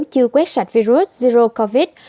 chưa quét sạch virus zero covid